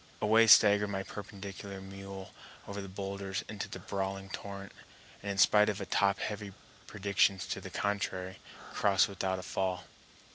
Away staggered my perpendicular mule over the boulders into the brawling torrent, and in spite of top heavy predictions to the contrary, crossed without a fall.